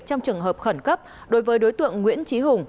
trong trường hợp khẩn cấp đối với đối tượng nguyễn trí hùng